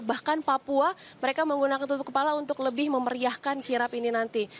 bahkan papua mereka menggunakan tutup kepala untuk lebih memeriahkan kirap ini nanti